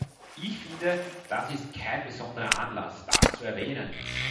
Ich finde, das ist kein besonderer Anlass, das zu erwähnen.